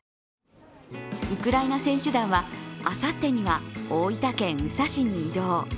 ウクライナ選手団はあさってには大分県宇佐市に移動。